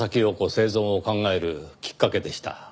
生存を考えるきっかけでした。